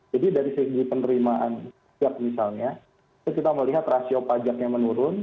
jadi dari segi penerimaan set misalnya kita melihat rasio pajaknya menurun